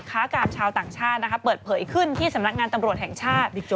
ค้ากามชาวต่างชาติเปิดเผยขึ้นที่สำนักงานตำรวจแห่งชาติ